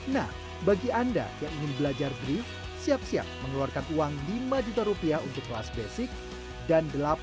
nah bagi anda yang ingin mencoba mobil manual